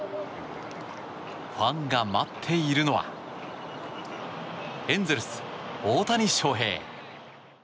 ファンが待っているのはエンゼルス、大谷翔平。